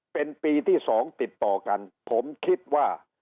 เป็นปีที่สองติดต่อกันผมคิดว่า